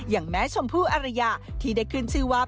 อย่างแม้ชมพู่อรยาที่ได้ขึ้นชื่อว่า